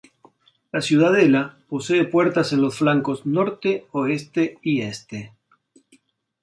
La ciudadela posee puertas en los flancos norte, oeste y este.